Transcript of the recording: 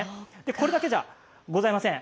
これだけじゃございません。